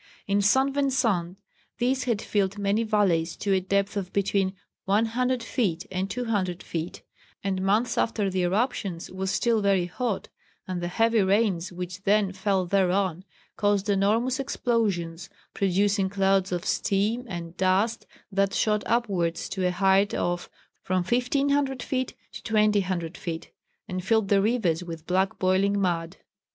In St. Vincent this had filled many valleys to a depth of between 100 feet and 200 feet, and months after the eruptions was still very hot, and the heavy rains which then fell thereon caused enormous explosions, producing clouds of steam and dust that shot upwards to a height of from 1500 feet to 2000 feet, and filled the rivers with black boiling mud."